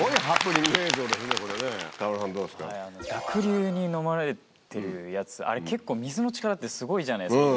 濁流に飲まれるっていうやつ、あれ、結構水の力ってすごいじゃないですか。